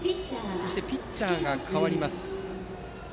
そしてピッチャーが代わります。